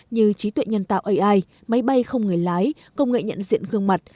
như trí tuệ nhân tạo ai máy bay không người lái công nghệ nhận diện gương mặt